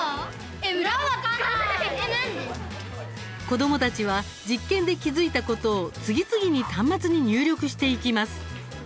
子どもたちは実験で気付いたことを次々に端末に入力していきます。